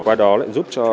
qua đó lại giúp cho